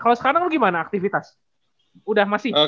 kalo sekarang lo gimana aktivitas udah masih normal